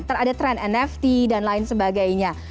terhadap tren nft dan lain sebagainya